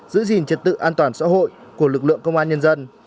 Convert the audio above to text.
giữ gìn trật tự an toàn xã hội của lực lượng công an nhân dân